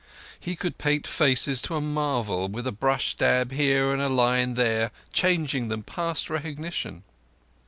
He could paint faces to a marvel; with a brush dab here and a line there changing them past recognition.